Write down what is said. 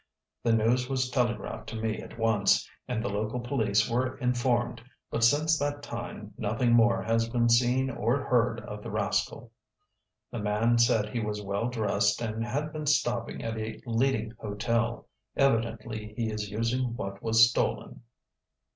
The news was telegraphed to me at once, and the local police were informed, but since that time nothing more has been seen or heard of the rascal. The man said he was well dressed and had been stopping at a leading hotel. Evidently he is using what was stolen."